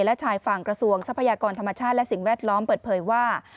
และชายฝั่งกระทรวงทรัพยากรธรรมชาติและสิ่งแวดล้อมเปิดเผยว่า